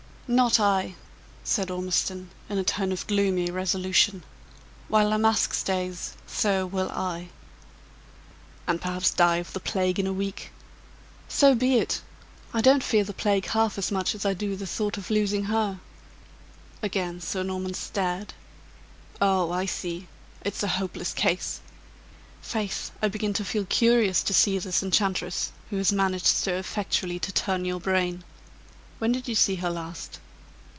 "Not I!" said Ormiston, in a tone of gloomy resolution. "While La Masque stays, so will I." "And perhaps die of the plague in a week." "So be it! I don't fear the plague half as much as I do the thought of losing her!" Again Sir Norman stared. "Oh, I see! It's a hopeless case! Faith, I begin to feel curious to see this enchantress, who has managed so effectually to turn your brain. When did you see her last?"